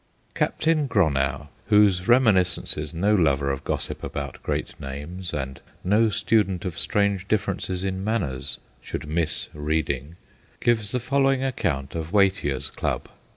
Captain Gronow, whose reminiscences no lover of gossip about great names and no student of strange differences in manners should miss reading, gives the following account of Watier's Club.